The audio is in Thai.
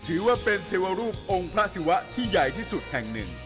ถือว่าเป็นเทวรูปองค์พระศิวะที่ใหญ่ที่สุดแห่งหนึ่ง